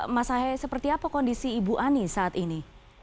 mas ahe seperti apa kondisi ibu ani saat ini